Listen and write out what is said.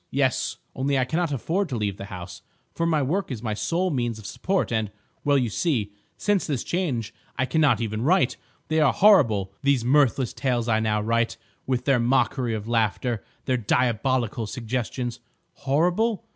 "Yes. Only I cannot afford to leave the house, for my work is my sole means of support, and—well, you see, since this change I cannot even write. They are horrible, these mirthless tales I now write, with their mockery of laughter, their diabolical suggestion. Horrible?